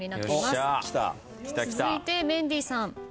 続いてメンディーさん。